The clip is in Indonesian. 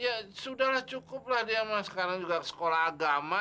ya sudah lah cukup lah dia mah sekarang juga sekolah agama